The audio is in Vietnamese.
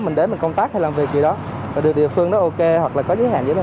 mình đến mình công tác hay làm việc gì đó và được địa phương đó ok hoặc là có giới hạn giới hạn